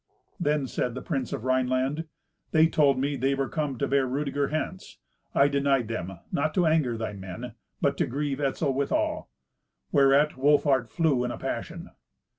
Then said the prince of the Rhineland. "They told me they were come to bear Rudeger hence. I denied them, not to anger thy men, but to grieve Etzel withal. Whereat Wolfhart flew in a passion."